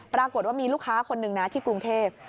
ปรากฏว่ามีลูกค้าคนหนึ่งนะที่กรุงเทพ